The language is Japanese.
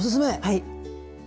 はい。